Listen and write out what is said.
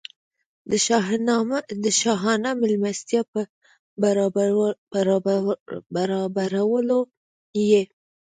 د شاهانه مېلمستیا په برابرولو یې.